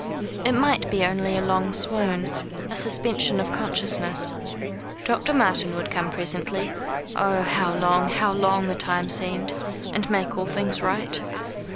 It might be only a long swoon, a suspension of consciousness. Dr. Martin would come presently oh, how long, how long the time seemed and make all things right.